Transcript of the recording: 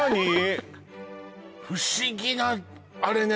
不思議なあれね